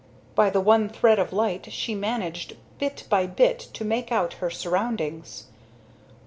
By the one thread of light she managed bit by bit to make out her surroundings.